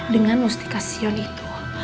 dengan mustikasion itu